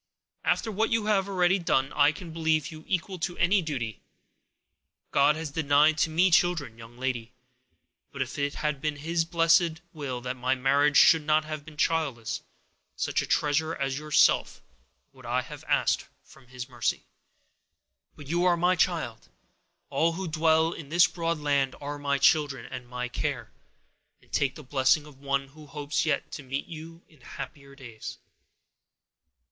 After what you have already done, I can believe you equal to any duty. God has denied to me children, young lady; but if it had been His blessed will that my marriage should not have been childless, such a treasure as yourself would I have asked from His mercy. But you are my child: all who dwell in this broad land are my children, and my care; and take the blessing of one who hopes yet to meet you in happier days."